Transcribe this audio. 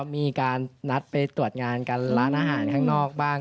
มีการนัดไปตรวจงานกันร้านอาหารข้างนอกบ้าง